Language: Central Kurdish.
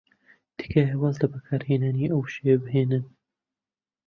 تکایە واز لە بەکارهێنانی ئەو وشەیە بهێنن.